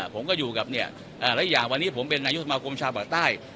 ผมก็อยู่กับเนี่ยหลายอย่างวันนี้ผมเป็นนายกสมาคมชาวบะใต้